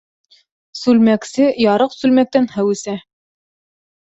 Сүлмәксе ярыҡ сүлмәктән һыу эсә.